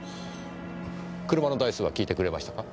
車の台数は聞いてくれましたか？